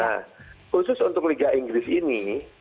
nah khusus untuk liga inggris ini